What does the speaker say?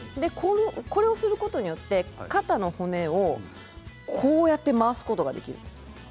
それをすることによって肩の骨を後ろに回すことができるんです。